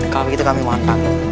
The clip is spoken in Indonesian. kalau begitu kami mau hantar